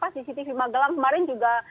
cctv magelang kemarin juga